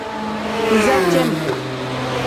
Iza cem.